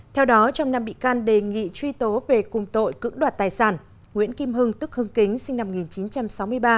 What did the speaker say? theo đó trong năm bị can đề nghị truy tố về cùng tội cưỡng đoạt tài sản nguyễn kim hưng tức hưng kính sinh năm một nghìn chín trăm sáu mươi ba